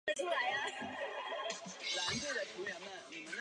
英语盲文是记录英语的盲文。